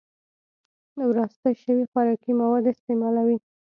وراسته شوي خوراکي مواد استعمالوي